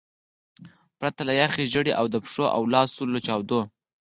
پرته له یخه ژیړي او د پښو او لاسو له چاودو.